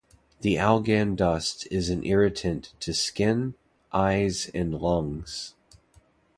The AlGaN dust is an irritant to skin, eyes and lungs.